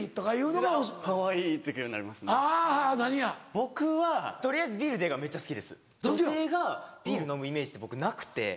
僕は「取りあえずビールで」がめっちゃ好きです。女性がビール飲むイメージって僕なくて。